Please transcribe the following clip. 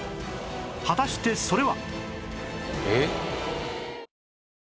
果たしてそれは